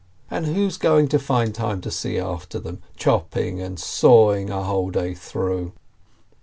And who's going to find time to see after them — chopping and sawing a whole day through.